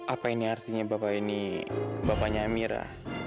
apa ini artinya bapak ini bapaknya emira